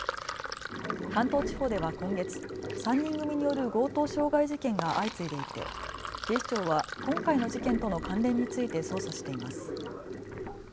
関東地方では今月、３人組による強盗傷害事件が相次いでいて警視庁は今回の事件との関連について捜査しています。